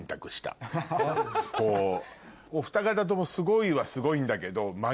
おふた方ともすごいはすごいんだけど。